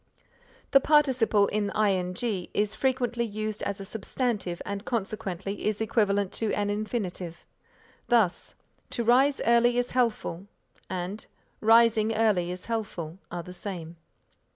The participle in ing is frequently used as a substantive and consequently is equivalent to an infinitive; thus, "To rise early is healthful" and "Rising early is healthful" are the same.